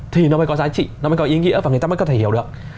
thì nó mới có giá trị nó mới có ý nghĩa và người ta mới có thể hiểu được